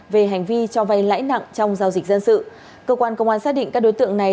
về hành vi cho vay lãi nặng trong giao dịch dân sự cơ quan công an xác định các đối tượng này